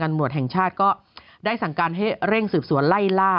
พันธมัวถัยแห่งชาติก็ได้สั่งการที่ให้เร่งเสือบส่วนไล่ล่า